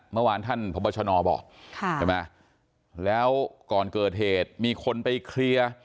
เมื่อวานท่านพบชนบอกใช่ไหมแล้วก่อนเกิดเหตุมีคนไปเคลียร์